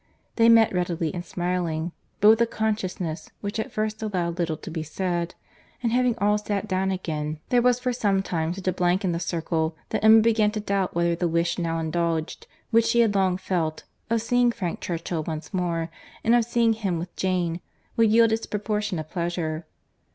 They met readily and smiling, but with a consciousness which at first allowed little to be said; and having all sat down again, there was for some time such a blank in the circle, that Emma began to doubt whether the wish now indulged, which she had long felt, of seeing Frank Churchill once more, and of seeing him with Jane, would yield its proportion of pleasure.